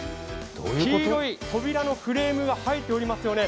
黄色い扉のフレームが映えておりますよね。